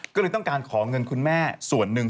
ก็เลยต้องการขอเงินคุณแม่ส่วนหนึ่ง